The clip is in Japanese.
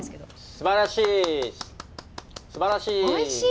すばらしい！